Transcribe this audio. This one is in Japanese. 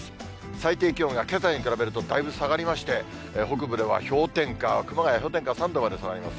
最低気温がけさに比べるとだいぶ下がりまして、北部では氷点下、熊谷は氷点下３度まで下がります。